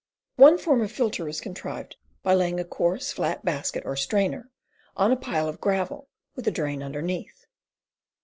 One form of filter is contrived by laying a coarse, flat basket or strainer on a pile of gravel with a drain underneath.